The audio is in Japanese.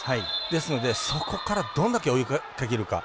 ですので、そこからどんだけ追いかけるか。